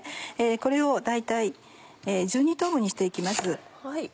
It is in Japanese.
これを大体１２等分にして行きます。